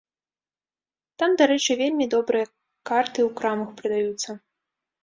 Там, дарэчы, вельмі добрыя карты ў крамах прадаюцца.